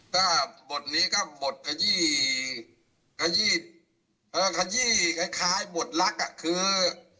ก็บทนี้ก็บทขยี้ขยี้คล้ายบทลักษณ์อะคือ